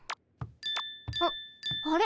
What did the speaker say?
あっあれ？